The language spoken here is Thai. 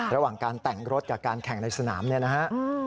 ระหว่างการแต่งรถกับการแข่งในสนามเนี่ยนะฮะ